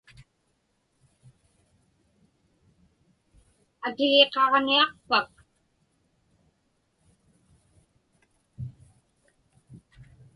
Atigiqaġniaqpak?